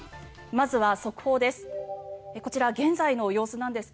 まずは速報です。